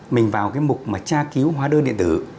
mình vào cái mục mà tra cứu hóa đơn điện tử